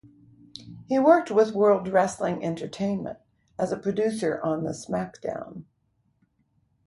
He worked with World Wrestling Entertainment as a producer on the SmackDown!